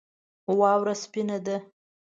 واوره سپینه ده